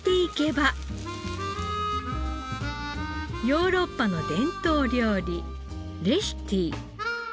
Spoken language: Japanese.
ヨーロッパの伝統料理レシュティ。